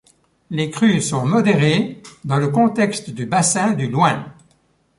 Les crues sont modérées dans le contexte du bassin du Loing.